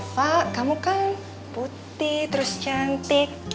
pak kamu kan putih terus cantik